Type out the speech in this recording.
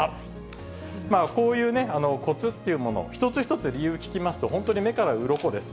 まあ、こういうコツというもの、一つ一つ理由聞きますと、本当に目からうろこです。